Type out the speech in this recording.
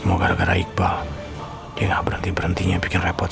om nirvan memang nyemut sesuatu